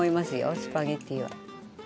スパゲッティは。